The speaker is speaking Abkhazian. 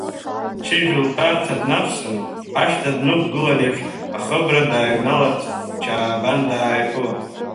Ҷыжә лтәарҭа днавсын, ашҭа днықәгылон еиԥш, ахыбра дааҩналарц, Чаабан дааиԥылон.